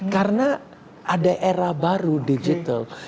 karena ada era baru digital